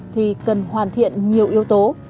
thì cần hoàn thiện nhiều yếu tố